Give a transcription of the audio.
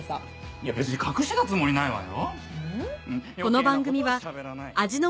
いや別に隠してたつもりないわよ。